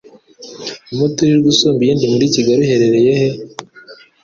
umuturirwa usumba iyindi muri Kigali uherereye he?